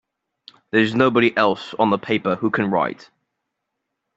There's nobody else on the paper who can write!